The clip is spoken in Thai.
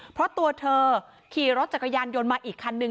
เพราะตัวเธอขี่รถจักรยานยนต์มาอีกคันนึง